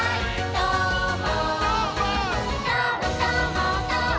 どーも！